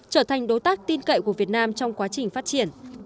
trở thành đối tác tin cậy của việt nam trong quá trình phát triển